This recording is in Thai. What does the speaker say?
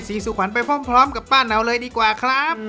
สุขวัญไปพร้อมกับป้าเหนาเลยดีกว่าครับ